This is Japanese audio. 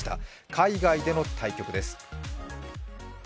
海外での対局です。